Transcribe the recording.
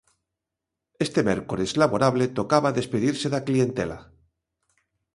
E este mércores laborable tocaba despedirse da clientela.